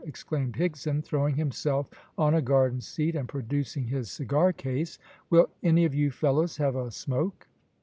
exclaimed Higson, throwing himself on a garden seat and producing his cigar case. "Will any of you fellows have a smoke?"